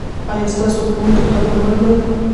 ایا ستاسو ښوونکي قدرمن دي؟